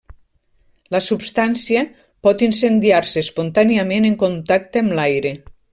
La substància pot incendiar-se espontàniament en contacte amb l'aire.